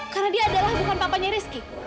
karena dia adalah bukan papanya rizky